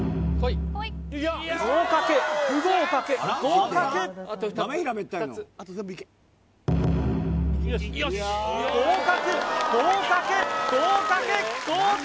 合格不合格合格合格合格合格合格！